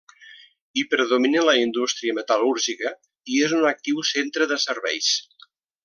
Hi predomina la indústria metal·lúrgica i és un actiu centre de serveis.